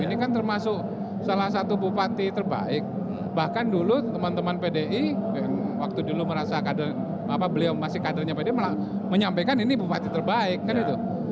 ini kan termasuk salah satu bupati terbaik bahkan dulu teman teman pdi waktu dulu merasa beliau masih kadernya pdi menyampaikan ini bupati terbaik kan itu